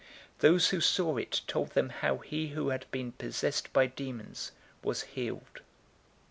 008:036 Those who saw it told them how he who had been possessed by demons was healed.